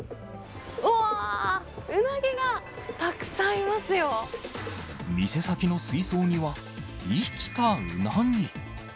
うわー、うなぎがたくさんい店先の水槽には、生きたうなぎ。